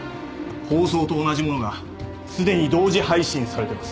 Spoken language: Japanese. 放送と同じものがすでに同時配信されてます。